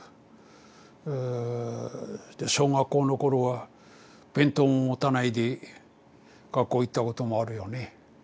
で小学校のころは弁当も持たないで学校行ったこともあるよね。